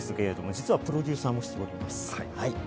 実はプロデューサーもしています。